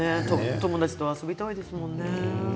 友達と遊びたいですよね。